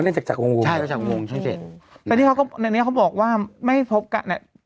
อ่าฮะส่วนหนังแยนใช่แต่นี่เขาบอกว่าไม่พบกันเนี่ย